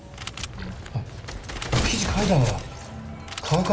あっこれ記事書いたのは川上だ。